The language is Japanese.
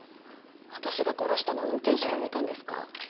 私が殺したのを運転手が見たんですか？